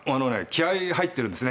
気合い入ってます